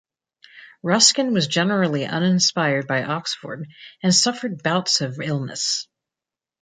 Ruskin was generally uninspired by Oxford and suffered bouts of illness.